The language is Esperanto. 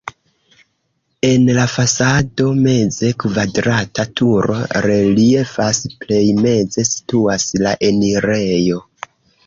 En la fasado meze la kvadrata turo reliefas, plej meze situas la enirejo.